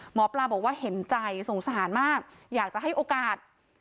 หมอปลาบอกว่าเห็นใจสงสารมากอยากจะให้โอกาส